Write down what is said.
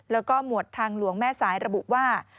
แล้วก็หมวดทางหลวงแม่สายระบุว่า